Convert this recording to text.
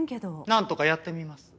なんとかやってみます。